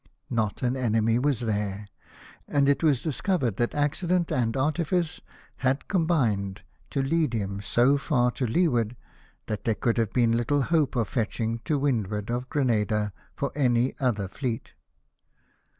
Not an enemy was there, and it was discovered that accident and artifice had combined to lead him so far to leeward that there could have been httle hope of fetching to windward of Granada for any other fleet.